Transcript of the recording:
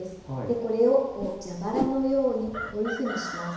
これを蛇腹のようにこういうふうにします。